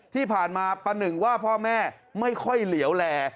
ที่ผ่านมาประหนึ่งว่าพ่อแม่ไม่ค่อยเหลียวแล